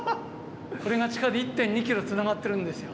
これが地下で１．２ｋｍつながってるんですよ。